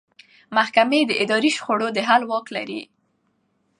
محکمې د اداري شخړو د حل واک لري.